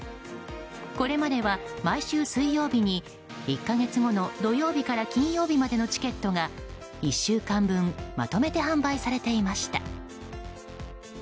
これまでは毎週水曜日に１か月後の土曜日から金曜日までのチケットが１週間分まとめて販売されていました。